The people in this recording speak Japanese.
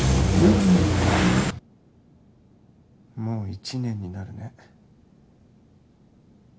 もう１年になるね。